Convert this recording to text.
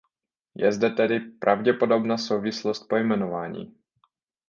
Je zde tedy pravděpodobná souvislost pojmenování.